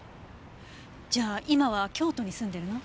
じゃあ今は京都に住んでるの？